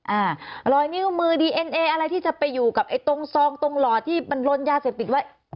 อ่ารอยนิ้วมือดีเอ็นเออะไรที่จะไปอยู่กับไอ้ตรงซองตรงหล่อที่มันลนยาเสพติดไว้